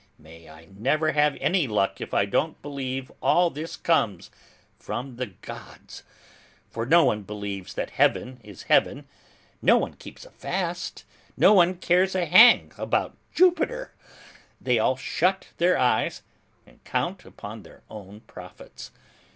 May I never have any luck if I don't believe all this comes from the gods! For no one believes that heaven is heaven, no one keeps a fast, no one cares a hang about Jupiter: they all shut their eyes and count up their own profits.